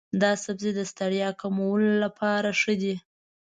دا سبزی د ستړیا کمولو لپاره ښه دی.